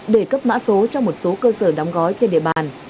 để cấp mã số cho một số cơ sở đóng gói trên địa bàn